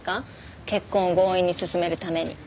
結婚を強引に進めるために。